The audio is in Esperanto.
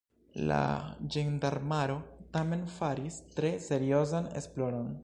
La ĝendarmaro tamen faris tre seriozan esploron.